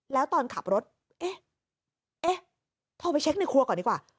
แล้วตอนขับรถเอ๊ะโทรไปเช็คในครัวก่อนดีกว่า